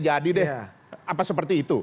jadi deh apa seperti itu